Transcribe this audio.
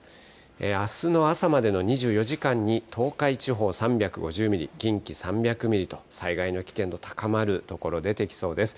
あすの朝までの２４時間に東海地方３５０ミリ、近畿３００ミリと、災害の危険度高まる所、出てきそうです。